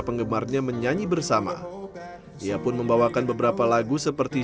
penggemarnya menyanyi bersama ia pun membawakan beberapa lagu seperti